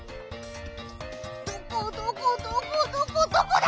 どこどこどこどこどこだ！？